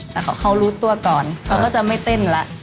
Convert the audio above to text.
แต่เขารู้ตัวก่อนเขาก็จะไม่เต้นแล้ว